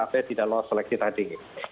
apalagi di dalam seleksi tadi